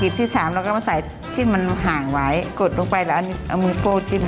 ที่สามแล้วก็มาใส่ที่มันห่างไว้กดลงไปแล้วเอามือโก้จิ้ม